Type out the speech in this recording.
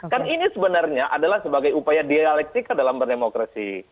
kan ini sebenarnya adalah sebagai upaya dialektika dalam berdemokrasi